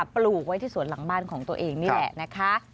ปลูกไว้ที่สวนหลังบ้านของตัวเองนี่แหละนะคะ